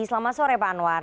selamat sore pak anwar